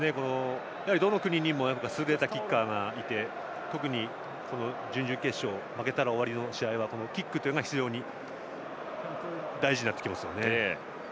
どの国にも優れたキッカーがいて特に準々決勝負けたら終わりの試合はキックというのが非常に大事になってきますよね。